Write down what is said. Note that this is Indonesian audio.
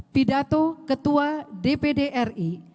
pidato ketua dpd ri